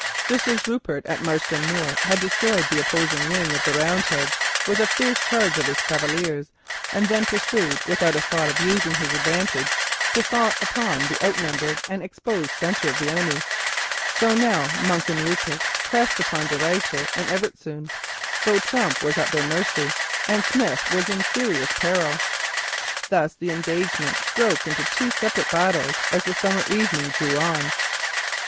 Just as Rupert at Marston Moor had destroyed the opposing wing of the Roundheads with a fierce charge of his cavaliers, and then pursued, without a thought of using his advantage to fall upon the outnumbered and exposed centre of the enemy, so now Monk and Rupert pressed upon De Ruyter and Evertszoon, though Tromp was at their mercy, and Smith was in serious peril. Thus the engagement broke into two separate battles as the summer evening drew on.